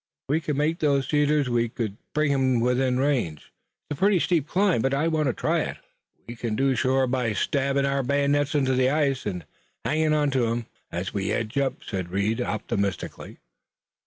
If we could make those cedars we would bring him within range. It's a pretty steep climb, but I want to try it." "We kin do it shore by stabbin' our bayonets into the ice and hangin' on to 'em ez we edge up," said Reed optimistically.